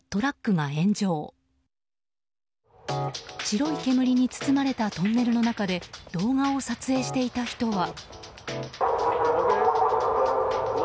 白い煙に包まれたトンネルの中で動画を撮影していた人は。